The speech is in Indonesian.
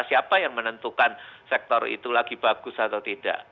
siapa yang menentukan sektor itu lagi bagus atau tidak